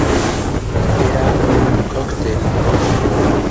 Era un cóctel.